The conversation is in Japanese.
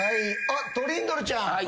あっトリンドルちゃん。